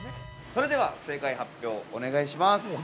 ◆それでは、正解発表お願いします。